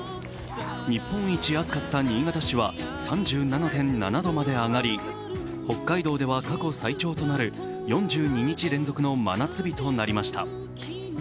日本一暑かった新潟市は３７．７度まで上がり、北海道では過去最長となる４２日連続の真夏日となりました。